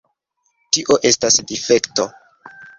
Tio estas difekto.